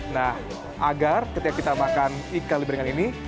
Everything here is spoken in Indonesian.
nah agar ketika kita makan ikan lebih ringan ini